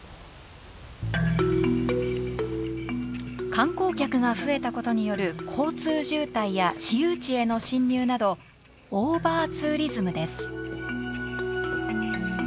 観光客が増えたことによる交通渋滞や私有地への侵入などオーバーツーリズムです。